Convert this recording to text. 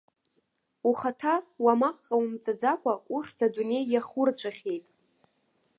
Ухаҭа уамак ҟаумҵаӡакәа, ухьӡ адунеи иахурҵәахьеит!